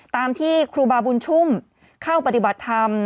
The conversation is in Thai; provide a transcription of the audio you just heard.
ตามที่ครูบาบุญชุ่มเข้าปฏิบัติธรรม